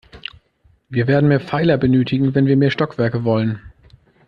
Wir werden mehr Pfeiler benötigen, wenn wir mehr Stockwerke wollen.